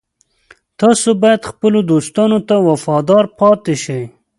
تاسو باید خپلو دوستانو ته وفادار پاتې شئ